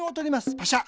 パシャ。